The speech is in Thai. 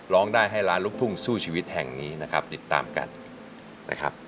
ร้องได้ให้ล้านลูกทุ่งสู้ชีวิตแห่งนี้นะครับติดตามกันนะครับ